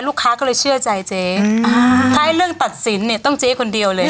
ลูกค้าก็เลยเชื่อใจเจ๊อ่าถ้าเรื่องตัดสินเนี่ยต้องเจ๊คนเดียวเลย